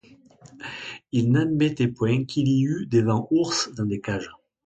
Il n’admettait point qu’il y eût des vents ours dans des cages.